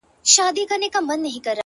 کور مي ورانېدی ورته کتله مي-